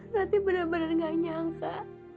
rati bener bener gak nyangsa